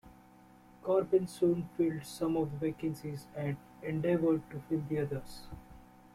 Corbyn soon filled some of the vacancies and endeavoured to fill the others.